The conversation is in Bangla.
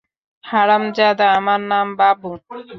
হারামজাদা, আমার নাম বাবু।